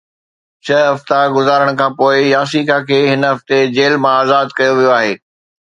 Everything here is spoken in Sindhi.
ڇهه هفتا گذارڻ کانپوءِ ياسيڪا کي هن هفتي جيل مان آزاد ڪيو ويو آهي